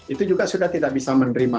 itu juga sudah tidak bisa menerima